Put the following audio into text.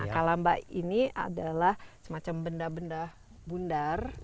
kalamba ini adalah semacam benda benda bundar